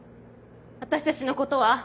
私たちのことは。